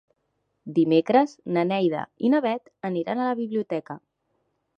Dimecres na Neida i na Bet aniran a la biblioteca.